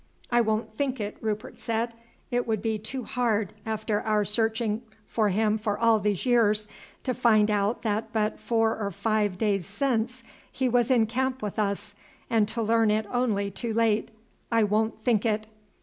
"I won't think it," Rupert said; "it would be too hard, after our searching for him for all these years, to find out that but four or five days since he was in camp with us, and to learn it only too late. I won't think it."